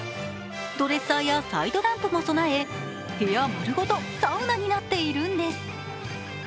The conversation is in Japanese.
ドレッサーやサイドランプも備え部屋まるごとサウナになっているんです。